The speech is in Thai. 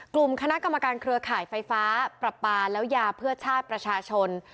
กลุ่มคณะกรรมการเครือข่ายไฟฟ้าปรับปลาแล้วยาเพื่อชาติประชาชน